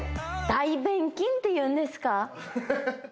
大便筋っていうんですか？